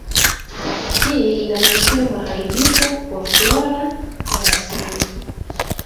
Hii ina matokeo maharibifu kwa flora ya asili